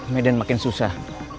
medan makin susah